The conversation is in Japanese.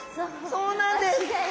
そうなんです。